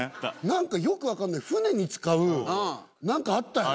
なんか、よく分かんない船に使う、なんかあったよね。